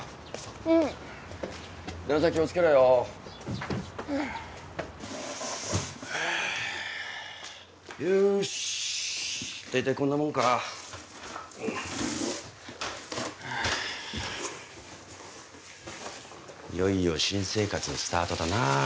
うん段差気をつけろようんよし大体こんなもんかああいよいよ新生活スタートだなあ